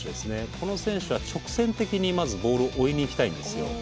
この選手は直線的にまずボールを追いにいきたいんですよ。